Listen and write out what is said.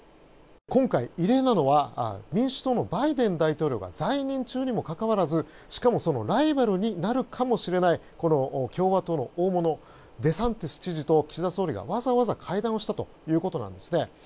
今回、異例なのは民主党のバイデン大統領が在任中にもかかわらずしかもそのライバルになるかもしれないこの共和党の大物デサンティス知事と岸田総理がわざわざ会談をしたということなんですね。